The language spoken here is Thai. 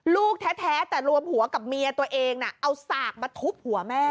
ลูกแท้แต่รวมหัวกับเมียตัวเองน่ะเอาสากมาทุบหัวแม่